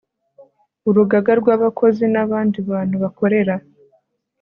urugaga rw abakozi n abandi bantu bakorera